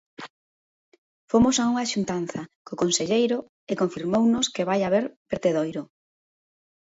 Fomos a unha xuntanza co conselleiro e confirmounos que vai haber vertedoiro.